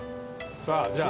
さあじゃあ